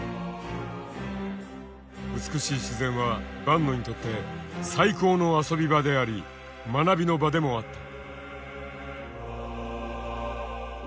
美しい自然は坂野にとって最高の遊び場であり学びの場でもあった。